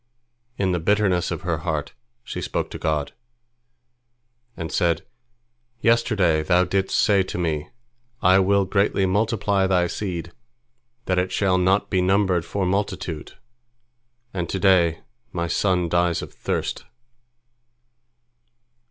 In the bitterness of her heart, she spoke to God, and said, "Yesterday Thou didst say to me, I will greatly multiply thy seed, that it shall not be numbered for multitude, and to day my son dies of thirst."